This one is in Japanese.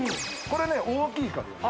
これね大きいからよ